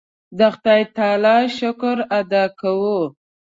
د خدای تعالی شکر ادا کوو.